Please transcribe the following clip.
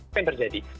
apa yang terjadi